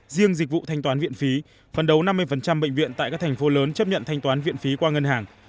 riêng dịch vụ thanh toán viện phí phân đấu năm mươi bệnh viện tại các thành phố lớn chấp nhận thanh toán viện phí qua ngân hàng